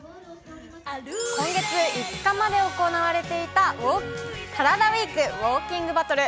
今月５日まで行われていたカラダＷＥＥＫウオーキングバトル。